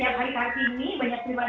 yang minta izin kalau mbak